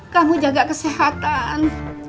kamu jaga kesehatan